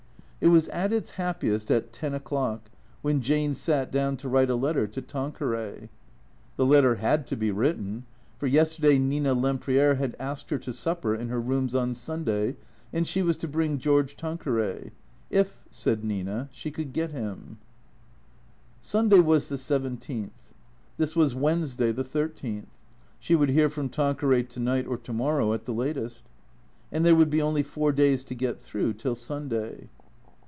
It was at its happiest at ten o'clock, when Jane sat down T H E C R E A T 0 R S 87 to write a letter to Tanqueray. The letter had to be written. For yesterday Nina Lempriere had asked her to supper in her rooms on Sunday, and she was to bring George Tanqueray. If, said ISTina, she could get him, Sunday Avas the seventeenth. This was Wednesday, the thir teenth. She would hear from Tanqueray to night or to morrow at the latest. And there would be only four days to get through till Sunday.